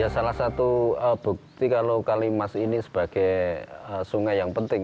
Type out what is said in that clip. salah satu bukti kalau kalimas ini sebagai sungai yang penting